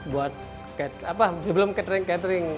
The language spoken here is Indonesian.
buat apa sebelum catering catering